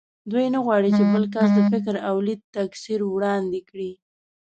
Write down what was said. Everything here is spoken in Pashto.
دوی نه غواړ چې بل کس د فکر او لید تکثر وړاندې کړي